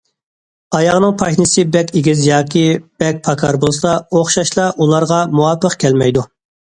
ئاياغنىڭ پاشنىسى بەك ئېگىز ياكى بەك پاكار بولسا ئوخشاشلا ئۇلارغا مۇۋاپىق كەلمەيدۇ.